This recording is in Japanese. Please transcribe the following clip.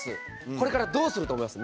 これからどうすると思います？